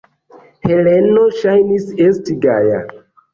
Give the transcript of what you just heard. Heleno ŝajnis esti gaja.